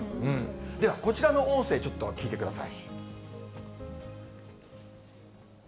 では、こちらの音声ちょっと聞いてください。